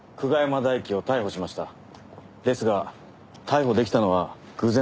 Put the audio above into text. ですが逮捕できたのは偶然だったんです。